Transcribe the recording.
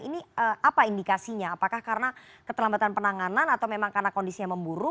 ini apa indikasinya apakah karena keterlambatan penanganan atau memang karena kondisinya memburuk